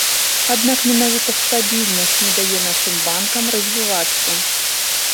Аднак менавіта стабільнасць не дае нашым банкам развівацца.